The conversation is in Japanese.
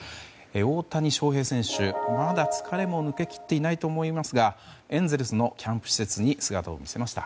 大谷翔平選手、まだ疲れも抜けきっていないと思いますがエンゼルスのキャンプ施設に姿を見せました。